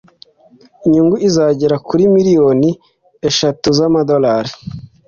inyungu izagera kuri miliyoni eshatu z'amadolari.